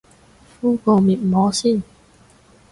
敷個面膜先